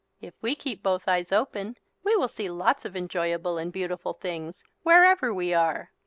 If we keep both eyes open we will see lots of enjoyable and beautiful things wherever we are.